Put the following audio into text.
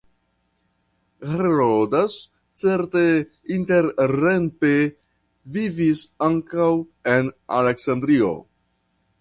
Herodas certe interrempe vivis ankaŭ en Aleksandrio.